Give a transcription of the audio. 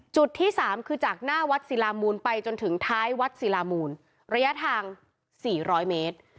จุดที่๓คือจากหน้าวัดศิลามูลไปจนถึงท้ายวัดศิลามูลระยะทาง๔๐๐เมตร